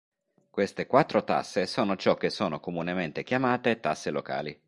Queste quattro tasse sono ciò che sono comunemente chiamate tasse locali